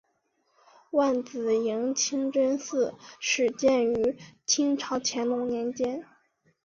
万子营清真寺始建于清朝乾隆年间。